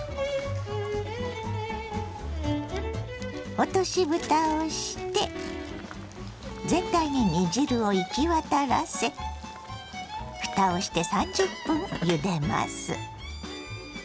落としぶたをして全体に煮汁を行き渡らせふたをして３０分ゆでます。